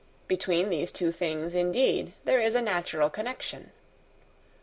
Between these two things, indeed, there is a natural connection.